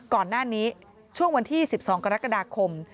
ก่อนหน้านี้ช่วงวันที่๑๒กรกฎาคม